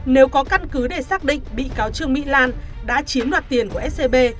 nếu có căn cứ để xác định bị cáo trương mỹ lan đã chiếm đoạt tiền của scb